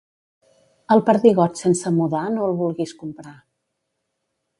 El perdigot sense mudar no el vulguis comprar.